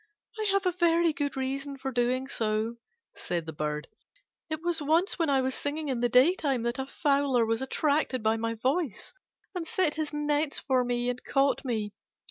"I have a very good reason for doing so," said the Bird: "it was once when I was singing in the daytime that a fowler was attracted by my voice, and set his nets for me and caught me.